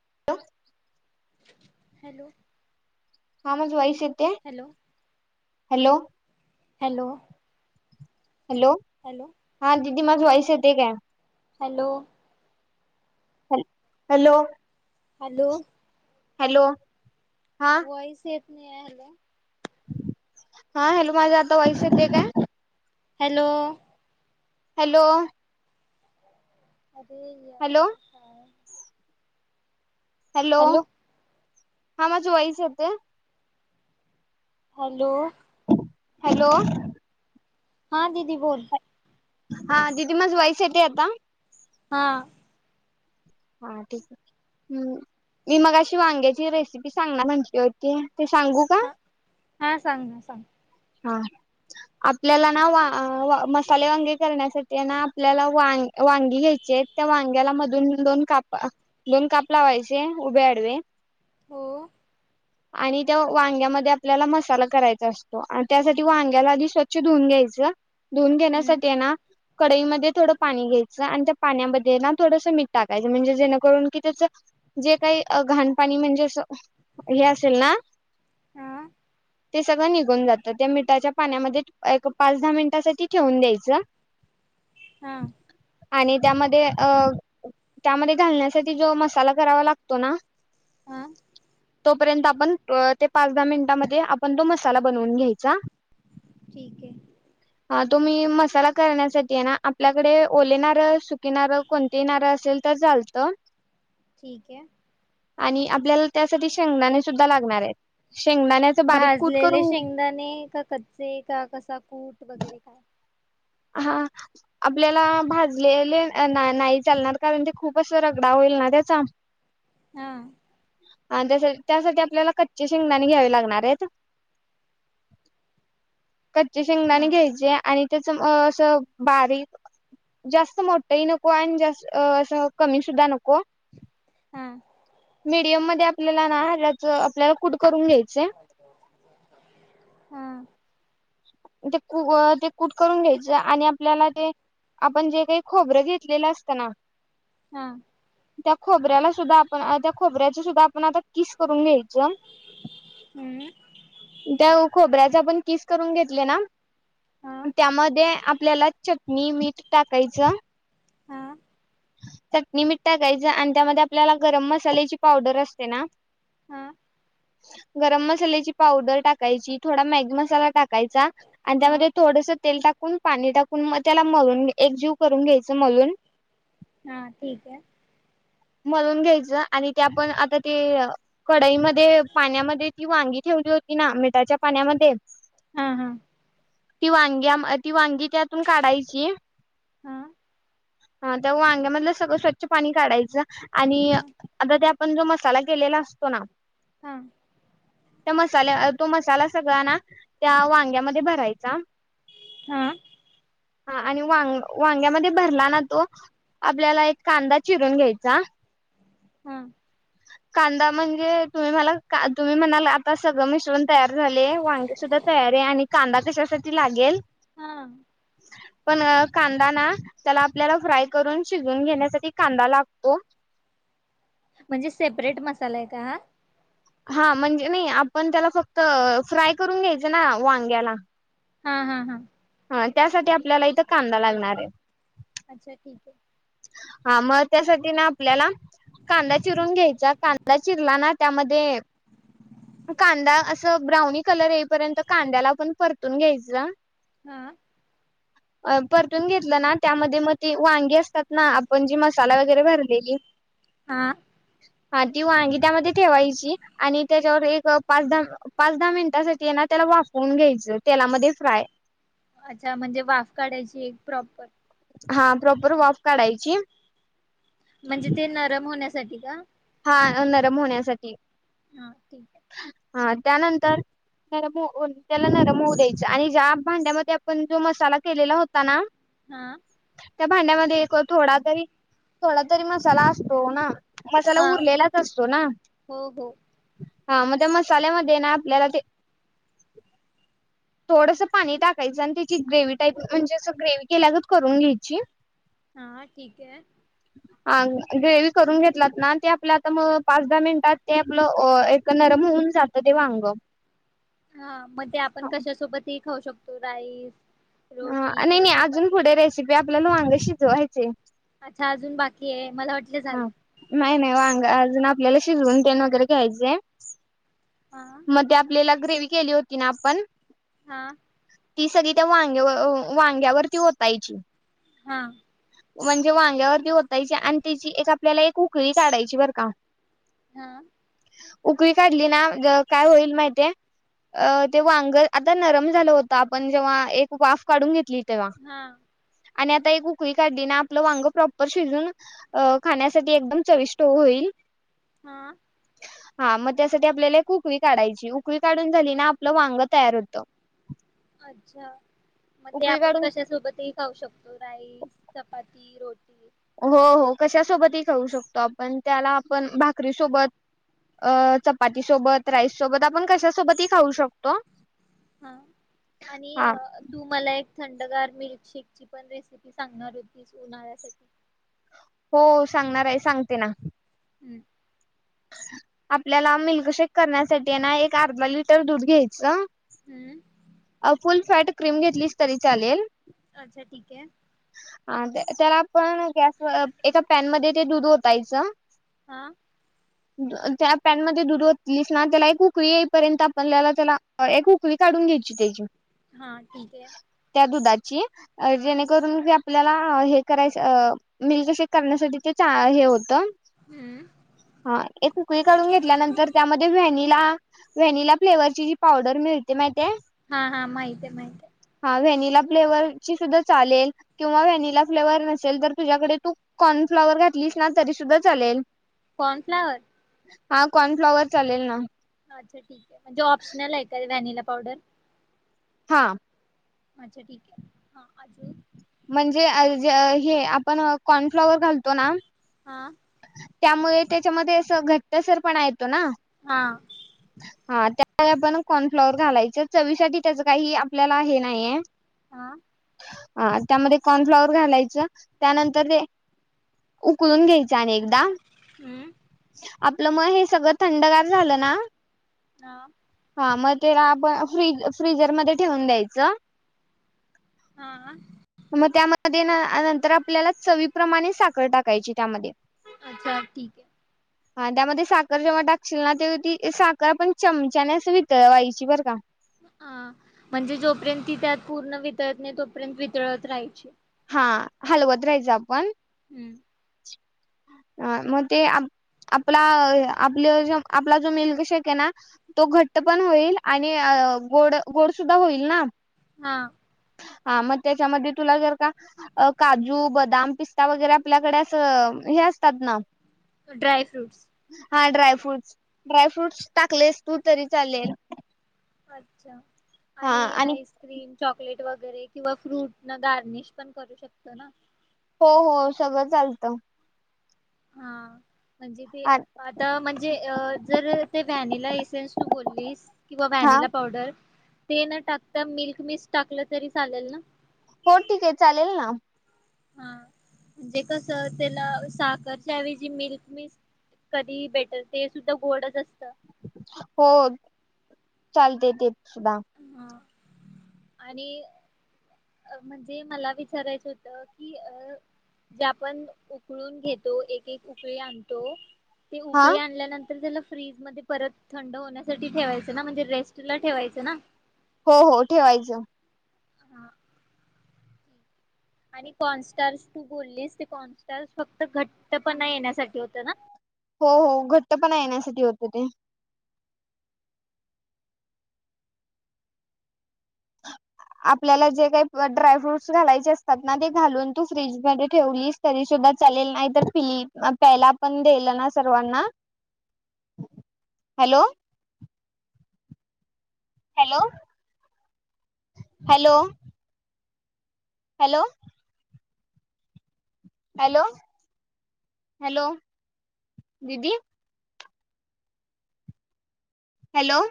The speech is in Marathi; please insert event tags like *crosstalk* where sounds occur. *unintelligible* हॅलो हा माझा व्हॉइस ये hello hello hello hello hello हां दीदी माझा व्हॉइस येतय काय? हॅलो ह हॅलो हॅलो हॅलो हा व्हॉइस ये यायलो. हा हॅलो माझा आता व्हॉइस येतय काय? हॅलो हॅलो हॅलो अरे हॅलो यार काय हॅलो हा माझा व्हॉइस येतय? हॅलो *inaudible* हॅलो *inaudible* हा दीदी बोल हा दिदी माझ वाईस येते आता? हा हा ठीकय हम्म मी मगाशी वांग्याची रेसिपी सांगणार म्हटली होती ते सांगू का हा हा सांग ना सांग. हा आपल्याला वा ना मसाले वांगे करण्यासाठी ना आपल्याला वां वांगी घ्यायचेतत्या वांग्याला मधून दोन काप दोन काप लावायचे उभे आडवे हो आणि त्या वांग्यामध्ये आपल्याला मसाला करायचा अस त्यासाठी वांग्याला आधी स्वच्छ धुऊून घ्यायचं धुऊन हम्म घेण्यासाठीय ना कडईमध्येध्ये थोडं पाणी घ्यायचं आणि त्या पाण्यामध्ये ना थोडस मीठ टाकायचं म्हणजे जेणेकरून कि त्याच जे काही घाण पाणी म्हणजे अस हे असेल ना आ ते सगळं निघ घुण जात त्या मिठाच्या पाण्यामध्ये एक पाच दहा मिनटासाठी ठेवून द्यायच हा आणि त्यामध्ये अ त्यामध्ये घालण्यासाठी जो मसाला करावा लागतो ना, हा तोपर्यंत आपण ते पाच दहा मिनिटामध्ये आपण तो मस साला बनवून घ्यायचा ठीकय ह तुम्ही मसाला करण्यासाठीय ना आपल्याकडे ओले नारळ सुक कि नारळ कोणती नारळ असेल तर चालतं ठीक आहे आणि आपल्याला त्यासाठी शेंगदाणे सुद्धा लागणारयत शेंगदाण्याच बारीक कुट लेले शेंगदाणे का कच्चे का कस कुट वगैरे काय. हा आपल्याला भाजलेले ना नाही चालणार कारण ते खूप अस रगडा होईल ना त्याचा. हा आणि त्यासा त्यासाठी आपल्याला कच्चे शेंगदाणी घ्यावे लागणारयेत कच्चे शेंगदाणे हा घ्यायचे आणि त्या असं अ असं बारीक जास्त मोठही नको, आणि जास्त अ असं कमी सुद्धा नको. हा मीडियम मध्ये आपल्याला ना हऱ्याच. आपल्याला कुट करून घ्यायचाय. हा ते कु अ ते कूट करून घ्यायच आणि आपल्याला ते आपण जे काही खोबरं घेतलेलं असतं ना हा त्या खोबऱ्याला सुद्धा आपण त्या खोबऱ्याच्या सुद्धा आपण आता किस करून घ्याई ज्या हम्म त्याव खोबऱ्या तो आपण किस करून घेत केलं ना हा त्यामध्ये आपल्याला चटणी, मीठ टाकायचं. हा चटणी, मीठ टाकायचं आणि त्यामध्ये आपल्याला गरम मसाल्याची पावडर असते ना हा गरम मसाल्याची पावडर टाकायची थोडा मॅगी मसाला टाका टा टाकायचा आणि हा त्यामध्ये थोडस तेल टाकून पाणी टाकून म त्याला मळून एकजीव करून घ्यायच मलून हा ठीकए. मळून घ्यायचं आणि ते आपण आता ते कढईमध्ये पाण्यामध्ये ती वांगी ठेवली होती ना मिठाच्या पाण्यामध्ये हा हा ती वांग्या, ती वांगी त्यातून काढायची. हा ह त्या वांग्यामधलं सगळं स्वच्छ पाणी काढायचं. आणि हा आता त्या पण जो मसाला केेलेला असतो ना. हा त्या मसाल्या तो मसाला सगळा ना त्या वांग्यामध्ये भरायचा. हा हा आणि वांग-वांग्यामध्ये भरला ना तो आपल्याला एक कांदा चिरून घ्याय. का हा कांदा म्हणजे तुम्ही मला का तुम्ही म्हणाल आता सगळं मिश्रण तयार झाले. वांगे सुद्धा तयार आहे आणि कांदा कशासाठी लागेल. हा पण कांदा ना त्याला आपल्याला फ्राय करून शिजून घेण्यासाठी कांदा ला तो म्हणजे सेपरेट मसाला आहे का हा? हा म्हणजे नाही आपण त्याला फक्त फ्राय करून घ्यायच ना वांग्याला. हा हा हा ह त्यासाठी आपल्याला इथं कांदा लागणार आहे. अच्छा ठीकए हा मग त्यासाठी ना आपल्याला कांदा चिरून घ्यायचा कांदा चिरला ना त्यामध्ये कांदा असं ब्राऊनी कलर येईपर्यंत कांद्याला आपण परतून घ्यायचं. हा अ परतून घेतलं ना त्यामध्ये मग ते वांगी असतात. ना आपण जी मसाला वगैरे भरलेली हा हा ती वांगी त्यामध्ये ठेवायची आणि त्याच्यावर एक पाच दहा पाच दहा मिनटासाठी ना त्याला वाफवून घ्यायचं तेलामध्ये फ्राय अच्छा म्हणजे वाफ काढायची एक प्रॉपर हा प्रॉपर वाॉफ काढायची. म्हणजे ते नरम होण्यास साठी का? हा नरम होण्यासाठी हा ठीक आहे हा त्यानंतर त्याला नरम त्याला नरम होऊ द्यायच आणि ज्या भांड्यामध्ये आपण जो मसाला केलेला होता ना हा त्या भांड्यामध्ये एक थोडा तरी थोडा तरी मसाला असतो ना. त्याला हा उरलेलाच असतो ना. हो हो हा मग त्या मसाल्यामध्ये ना आपल्याला ते थोडस पाणी टाकायचं आणि त्याची ग्रेवी टाईप म्हणजे असं ग्रेवी केल्यागत करून घ्यायची. हा ठीक हय हा ग्रेवी करून घेतलात ना ते आपलं आता मग पाच दहा मिनिटात ते आपलं एक नरम होऊन जातं ते वांग हा म तेवआपण कशा सोबत ते खाऊ शकतो. राईस ह रोटी नाही किंवा नाही अजून चपाती पुढे रेसिपी आपल्याला वांग शिजवायचे च्या अजून बाकी हे हा नाही नाही वांग अज अजून आपल्याला शिजवून तेन वगैरे घ्यायचंय. हा मग ते आपल्याला ग्रेवी केली होती ना आपण हा ती सगळी त्या वांगेवर वांग्यावरती ओतायची. हा म्हणजे वांग्यावरती ओतायची आणि तिची एक आपल्याला एक उकळी काढायची बरं का? ती हा उकळी काढली ना काय होईल माहितीहाय अ ते वांग आता नरम झालं होत आपण जेव्हा एक वाफ काढून घेतली. तेव्हा हा आणि आता एक उकळी काढली ना आपलं वांग प्रॉपर शिजून अ खाण्यासाठी एकदम चविष्ट होईल. ह अ हा मग त्यासाठी आपल्याला एक उकळी काढायची उकळी काढून झाली ना आपलं वांग तयार होतं. अच्छा मग ते उकळी आपण काढून कशा सोबतही खाऊ शकतो. राईस, चपाती, रोटी हो हो कशा सोबतही खाऊ शकतो. आपण त्याला आपण भाकरी सोबत अ चपाती सोबत राईस सोबत आपण कश सोबतही खाऊ शकतो ह हा आणि तू मला एक थंडगार मिल्कशेक ची पण रेसिपी सांगणार होतीस उन्हाळ्यासाठी हो सांगणार आहे सांगते ना! हम्म आपल्याला मिल्कशेक करण्यासाठी ना एक अर्धा लिटर दूध घ्यायचं. हम्म अ फुल फॅट क्रीम घेतलीस तरी चालेल. अच्छा ठीक आहे. अ त्याला आपण गॅसवर एका पॅनमध्ये ते दूध ओ तायचं. हा त्या पॅनमध्येध्ये दूध ओतलीस ना त्याला एक उकळी येईपर्यंत आपत्याला त्याला एक उकळी काढून घ्यायची. तेजू हा ठीकाय की अ जेणेकरून ती आपल्याला आपल्याला हे करायच अ मिल्कशेक करण्यासाठी ते चा हे होत. हम्म हां एक उकळी काढून घेतल्यानंतर त्यामध्ये व्हनिला व्हॅनिला फ्लेवर ची जी पावडर मिळते माहिती हाय हां हां माहिततमाहिते व्हॅनिला फ्लेवर ची सुद्धा चालेल किंवा व्हॅनिला फ्लेवर नसेल तर तुझ्याकडे तू कॉर्न फ्लॉवर घातलीस ना तरीसुद्धा चालेल. कॉर्न फ्लावर हा कॉर्नफ्लॉवर चालेल ना. अच्छा ठीक हे म्हणजे ऑप्शनल आहे काय व्हॅनिला पावडर हां अच्छा ठीक हे हां अजून म्हणजेे अलजे हे आपण कॉर्नफ्लॉवर घालतो ना. हां त्यामुळे त्याच्यामध्ये असं घट्टसरपणा आहे. तो ना हा हां त्यात का आपण कॉर्नफ्लॉवर घालायचं चवीसाठी त्याचं काही आपल्याला हे नाहीये. हां हां त्यामध्ये कॉर्नफ्लवर घालायचं त्यानंतर ते उकलून घ्यायच. ते आणि एकदा हम्म आपलं म हे सगळं थंडगार झालं ना. हां म तेला आपण फ फ्रीजर मध्ये ठेवून द्यायचं. हा म त्यामधे तेन नंतर आपल्याला चवी प्रमाणे साखर टाकायची त्यामध्ये अच्छा ठीक आहे. हां त्यामध्ये साखर जेव्हा टाकशील ना तेव्हा ती साखर आपण चमचाने अस वितळवायची बरं का? हां म्हणजे जोपर्यंत ती त्यात पूर्ण वितळत नाही तोपर्यंत वितळत राहायची. हा हलवत राहायचं आपण हम्म *inaudible* हां म ठीक ते आ आपला अ आपलं जो आपला जो मिल्कशेक आहे ना तो घट्ट पण होईल आणि अ गोड-गोड सुुद्धा होईल ना. हां हां म त्याच्यामध्ये तुला जर का अ काजू, बदाम, पिस्ता वगैरे आपल्याकडे असं हे असतात ना. ड्राय फ्रूट्स हां ड्रायफ्रूटस, ड्रायफ्रूटस टाकलेस तू तरी चालेल. अच्छा आणि आईस्क्रीम चॉकलेट वगैरे किंवा फ्रूट न गार्निश पण करू शकतो ना. हो हो सगळं चालतं. हा म्हणजे ते आ- आता म्हणजे अ जर ते व्हॅनिला एसेन्स तु बोललीस किंवा हा व्हॅनिला पावडर ते न टाकता मिल्क मिस्ट टाकलं तरी चालेल ना? हो ठीके चालेल ना. हा म्हणजे कस त्याला साखरच्या ऐवजी मिल्क मिस्ट कधीही बेटर ते सुद्धा गोडच असत. हो चालतय ते. सुधा हा आणि म्हणजे मला विचारायचं होतं की अ जे आपण उकळून घेतो एक-एक उकळी आणतो. ते हा उकळी आणल्यानं तर त्याला फ्रीजमध्ये परत थंड होण्यासाठी ठेवायचं ना. म्हणजे रेस्टला ठेवायचं ना. हो हो ठेवायचं. हा आणि कॉनस्टार्स तु बोललीस ते कॉनस्टारस फक्त घट्ट पणा येण्यासाठी होत ना? हो हो घट्ट पण येण्यासाठी होत ते. आपल्याला जे काही प ड्राय फ्रूट्स घालायचे असतात ना ते घालून तू फ्रीज मध्ये ठेवलीस तरी सुद्धा चालेल नाही तर पिली आ प्यायला पण देल ना सर्वांना hello hello hello hello hello hello दीदी हॅलो